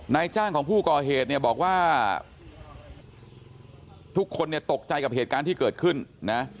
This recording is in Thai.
นายจ้างของผู้ก่อเหตุเนี่ยบอกว่าทุกคนเนี่ยตกใจกับเหตุการณ์ที่เกิดขึ้นนะ